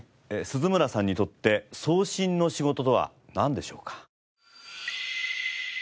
鈴村さんにとって送信の仕事とはなんでしょうか？